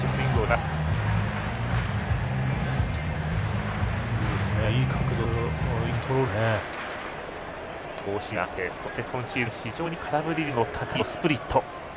フォーシームがあってそして今シーズン、非常に空振り率の高いスプリット。